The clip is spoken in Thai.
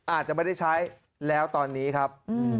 อาจจะไม่ได้ใช้แล้วตอนนี้ครับ